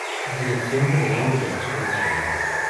Dirección General del Archivo Nacional.